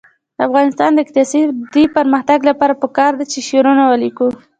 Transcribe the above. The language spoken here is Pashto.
د افغانستان د اقتصادي پرمختګ لپاره پکار ده چې شعرونه ولیکو.